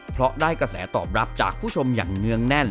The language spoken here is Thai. เพราะได้กระแสตอบรับจากผู้ชมอย่างเนื่องแน่น